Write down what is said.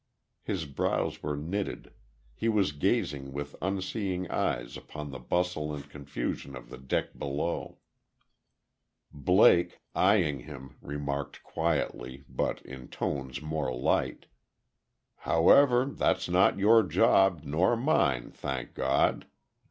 His brows were knitted; he was gazing with unseeing eyes upon the bustle and confusion of the dock below. Blake, eyeing him, remarked quietly, but in tones more light: "However, that's not your job, nor mine, thank God.